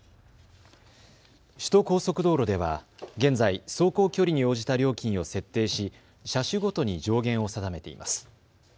首都高速道路では現在、走行距離に応じた料金を設定し車種ごとに上限を定めています。